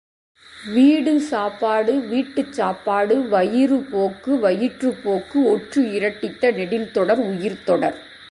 வீடு சாப்பாடு வீட்டுச் சாப்பாடு, வயிறு போக்கு வயிற்றுப் போக்கு ஒற்று இரட்டித்த நெடில் தொடர் உயிர்த்தொடர்.